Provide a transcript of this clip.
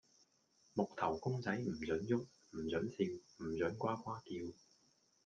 木頭公仔唔准郁，唔准笑，唔准呱呱叫